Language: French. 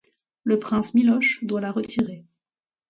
Le Prince Miloš doit la retirer.